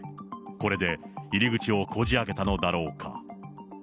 これで入り口をこじあけたのだろうか。